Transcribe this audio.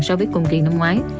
so với cùng kỳ năm ngoái